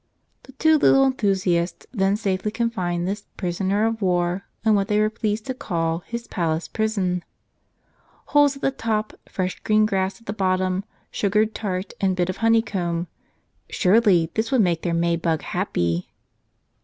The two little enthusiasts then safely confined this "prisoner of war" in what they were pleased to call his palace prison. Holes at the top, fresh green grass at the bottom, sugared tart and bit of honeycomb, — sure¬ ly, this would make their May bug happy.